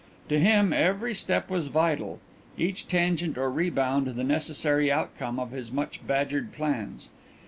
To him every step was vital, each tangent or rebound the necessary outcome of his much badgered plans.